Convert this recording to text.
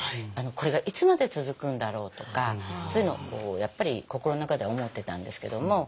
これがいつまで続くんだろうとかそういうのをやっぱり心の中では思ってたんですけども。